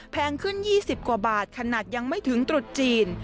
แพงขึ้น๒๐กว่าบาทขนาดยังไม่ถึงตรุษจีน